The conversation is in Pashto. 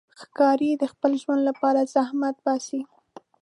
ښکاري د خپل ژوند لپاره زحمت باسي.